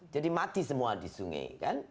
jadi mati semua di sungai